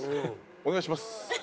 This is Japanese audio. お願いします。